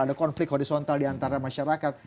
ada konflik horizontal diantara masyarakat